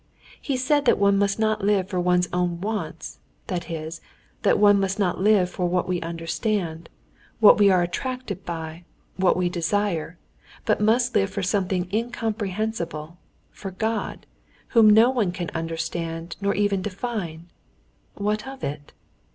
He said that one must not live for one's own wants, that is, that one must not live for what we understand, what we are attracted by, what we desire, but must live for something incomprehensible, for God, whom no one can understand nor even define. What of it?